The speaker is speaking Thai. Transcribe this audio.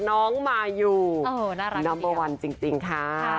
น้องมายูนัมเบอร์วันจริงค่ะ